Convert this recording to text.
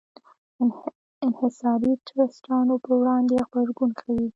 انحصاري ټرستانو پر وړاندې غبرګون ښيي.